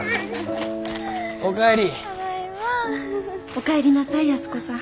お帰りなさい安子さん。